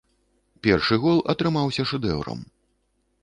Першы гол атрымаўся шэдэўрам.